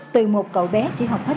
từ một cậu bé chỉ học hết